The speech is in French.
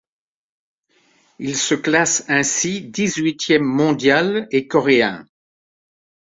Il se classe ainsi dix-huitième mondial et coréen.